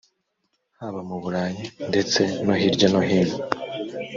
haba mu burayi ndetse no hirya no hino